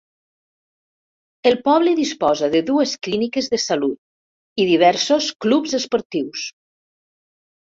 El poble disposa de dues clíniques de salut i diversos clubs esportius.